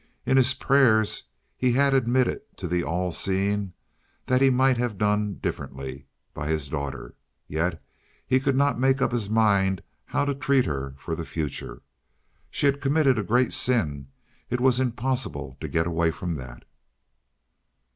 In his prayers he had admitted to the All seeing that he might have done differently by his daughter. Yet he could not make up his mind how to treat her for the future. She had committed a great sin; it was impossible to get away from that.